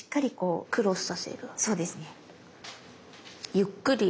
ゆっくり。